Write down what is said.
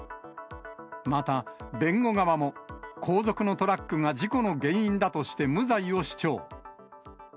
また弁護側も後続のトラックが事故の原因だとして、無罪を主張。